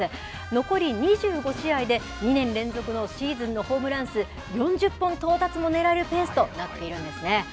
残り２５試合で、２年連続のシーズンのホームラン数４０本到達も狙えるペースとなっているんですね。